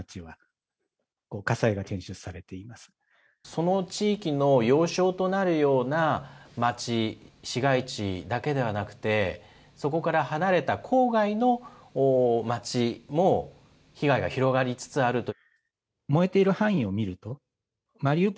その地域の要衝となるような街、市街地だけではなくて、そこから離れた郊外の街も、被害が広がりつつあると。